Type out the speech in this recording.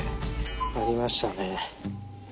ありましたね。